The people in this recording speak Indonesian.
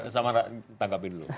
samara tangkapin dulu